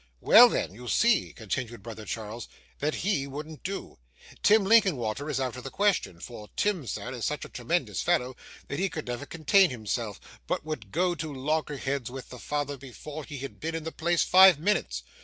'Well; then you see,' continued brother Charles, 'that HE wouldn't do. Tim Linkinwater is out of the question; for Tim, sir, is such a tremendous fellow, that he could never contain himself, but would go to loggerheads with the father before he had been in the place five minutes.